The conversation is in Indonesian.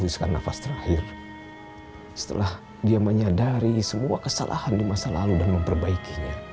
salah salah salah salah